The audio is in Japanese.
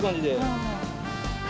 うん。